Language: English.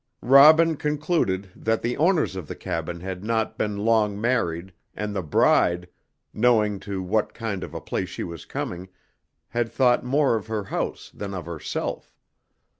Robin concluded that the owners of the cabin had not been long married, and the bride, knowing to what kind of a place she was coming, had thought more of her house than of herself.